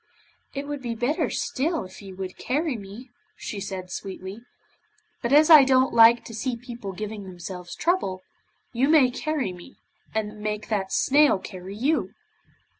'It would be better still if you would carry me,' said she sweetly, 'but as I don't like to see people giving themselves trouble, you may carry me, and make that snail carry you.